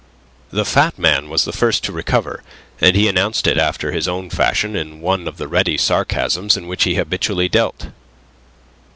The fat man was the first to recover, and he announced it after his own fashion in one of the ready sarcasms in which he habitually dealt.